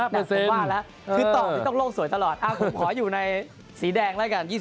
คือต้องต้องโลกสวยตลอดผมขออยู่ในสีแดงแล้วกัน๒๕